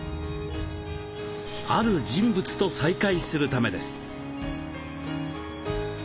ある人物と再会するためです。